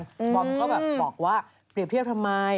บอมก็แบบบอกว่าเปรียบเทียบทำไม